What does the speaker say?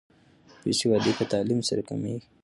بې سوادي په تعلیم سره کمیږي.